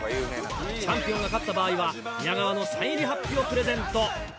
チャンピオンが勝った場合は宮川のサイン入りハッピをプレゼント。